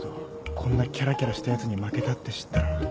こんなきゃらきゃらしたやつに負けたって知ったら。